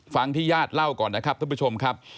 ที่ญาติเล่าก่อนนะครับท่านผู้ชมครับ